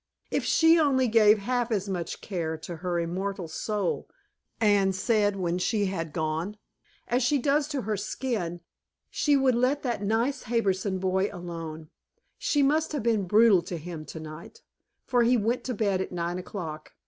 "If she only give half as an much care to her immortal soul," Anne said when she had gone, "as she does to her skin, she would let that nice Harbison boy alone. She must have been brutal to him tonight, for he went to bed at nine o'clock.